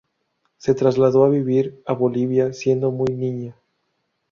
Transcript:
Se trasladó a vivir a Bolivia siendo muy niña.